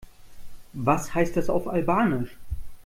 Was heißt das auf Albanisch?